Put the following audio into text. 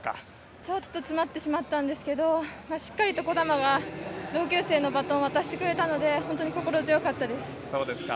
ちょっと詰まってしまったんですけど、しっかりと兒玉が、同級生のバトンを渡してくれたので心強かったです。